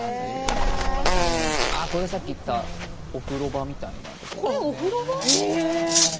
これが、さっき言ったお風呂場みたいなところですね。